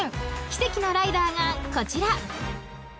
［「奇跡のライダー」がこちら］